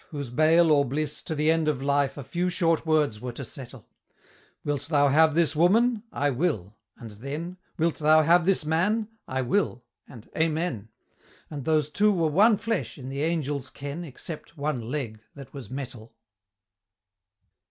Whose bale or bliss to the end of life A few short words were to settle "Wilt thou have this woman?" "I will" and then, "Wilt thou have this man?" "I will," and "Amen" And those Two were one Flesh, in the Angels' ken, Except one Leg that was metal.